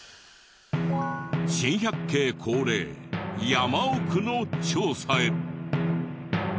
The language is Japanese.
『珍百景』恒例山奥の調査へ。